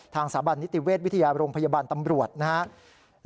สถาบันนิติเวชวิทยาโรงพยาบาลตำรวจนะครับ